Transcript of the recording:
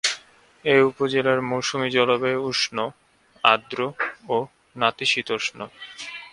এ উপজেলার মৌসুমী জলবায়ু উষ্ণ, আর্দ্র ও নাতিশীতোষ্ণ।